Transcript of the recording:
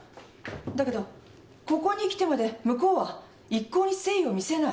だけどここにきてまで向こうは一向に誠意を見せない。